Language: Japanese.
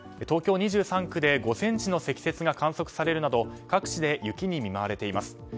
東京２３区で５ｃｍの積雪が観測されるなど各地で雪に見舞われています。